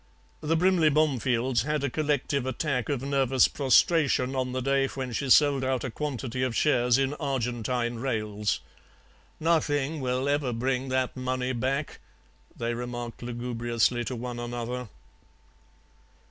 The Brimley Bomefields had a collective attack of nervous prostration on the day when she sold out a quantity of shares in Argentine rails. 'Nothing will ever bring that money back,' they remarked lugubriously to one another.